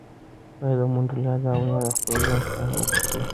باید د منډېلا دا وینا د خپل ژوند شعار وګرځوو.